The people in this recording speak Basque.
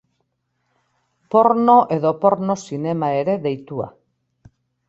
Porno edo porno zinema ere deitua.